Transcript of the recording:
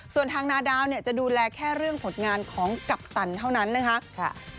ส่วนทางนาดาวเนี่ยจะดูแลแค่เรื่องผลงานของกัปตันเท่านั้นนะคะ